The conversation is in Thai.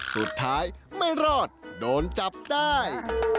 สุดท้ายไม่รอดโดนจับได้